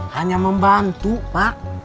hanya membantu pak